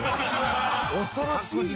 「恐ろしいね」